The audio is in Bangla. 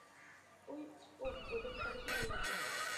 ওহ, ঐটাতে তাকে সুন্দর লাগবে।